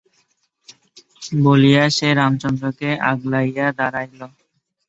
বলিয়া সে রামচন্দ্রকে আগলাইয়া দাঁড়াইল।